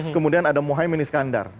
kemudian ada muhyiddin iskandar